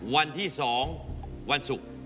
วันที่๒วันศุกร์